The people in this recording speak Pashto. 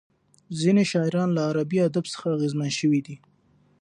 ځینې شاعران له عربي ادب څخه اغېزمن شوي دي.